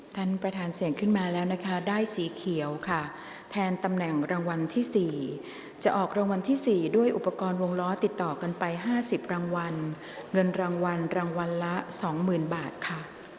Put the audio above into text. ท่านประธานเสี่ยงขึ้นมาแล้วนะคะได้สีเขียวค่ะแทนตำแหน่งรางวัลที่๔จะออกรางวัลที่๔ด้วยอุปกรณ์วงล้อติดต่อกันไป๕๐รางวัลเงินรางวัลรางวัลละ๒๐๐๐บาทค่ะ